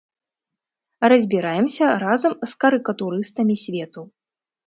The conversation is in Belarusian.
Разбіраемся разам з карыкатурыстамі свету.